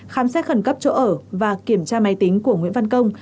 khám xét khẩn cấp chỗ ở và kiểm tra máy tính của nguyễn văn công